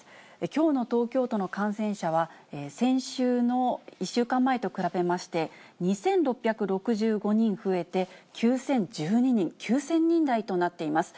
きょうの東京都の感染者は、先週の１週間前と比べまして、２６６５人増えて９０１２人、９０００人台となっています。